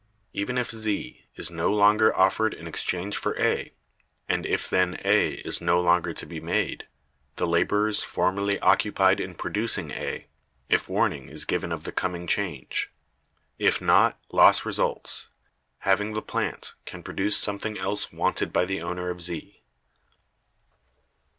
Even if Z is no longer offered in exchange for A, and if then A is no longer to be made, the laborers formerly occupied in producing A—if warning is given of the coming change; if not, loss results—having the plant, can produce something else wanted by the owner of Z.